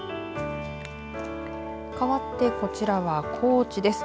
かわって、こちらは高知です。